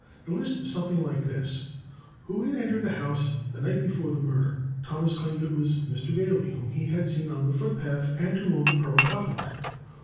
The list was something like this: Who had entered the house the night before the murder? Thomas claimed it was Mr. Bailey, whom he had seen on the foot path, and who owned the pearl cuff link.